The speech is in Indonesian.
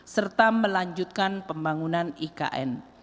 serta melanjutkan pembangunan ikn